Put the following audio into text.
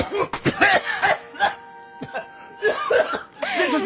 えっ！？